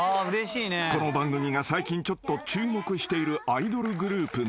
［この番組が最近ちょっと注目しているアイドルグループなのだ］